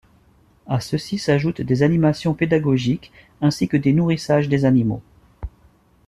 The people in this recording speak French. À ceux-ci s'ajoutent des animations pédagogiques ainsi que des nourrissages des animaux.